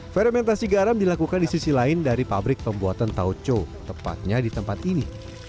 fermentasi garam dilakukan di sisi lain dari pabrik pembuatan tauco tepatnya di tempat ini